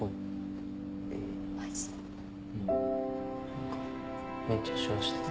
何かめっちゃ手話してた。